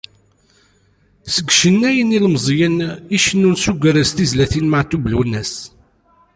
Seg yicennayen ilemẓiyen i icennun s ugerrez tizlatin n Meɛtub Lwennas.